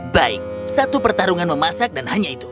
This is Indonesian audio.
baik satu pertarungan memasak dan hanya itu